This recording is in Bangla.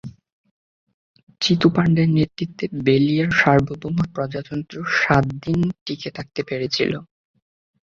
চিত্তু পান্ডের নেতৃত্বে বেলিয়ার সার্বভৌম প্রজাতন্ত্র সাত দিন টিকে থাকতে পেরেছিল।